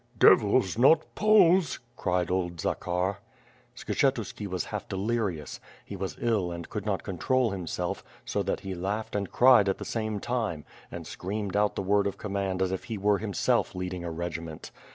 "Devils! not Poles!" cried old Zakhar. Skshetuski was half delirious; he was ill and could not con trol himself, so that he laughed and cried at the same time, and screamed out the word of command as if he were himsejf holding a regiment.